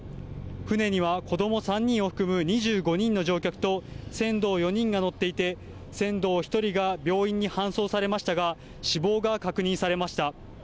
船には子ども３人を含む２５人の乗客と船頭４人が乗っていて、船頭１人が病院に搬送されましたが、死亡が確認されました。